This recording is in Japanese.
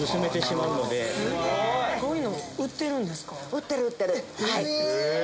売ってる売ってる。